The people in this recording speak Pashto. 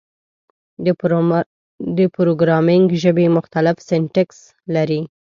د پروګرامینګ ژبې مختلف سینټکس لري.